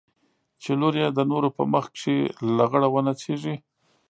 چې لور يې د نورو په مخ کښې لغړه ونڅېږي.